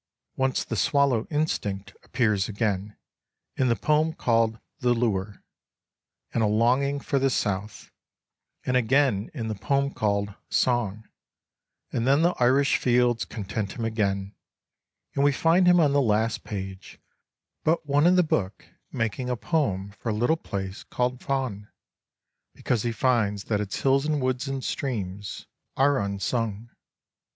Once the swallow instinct appears again — in the poem called " The Lure "— and a long ing for the South, and again in the poem called " Song ": and then the Irish fields con tent him again, and we find him on the last page but one in the book making a poem for a little place called Faughan, because he finds that its hills and woods and streams are un l6 INTRODUCTION sung.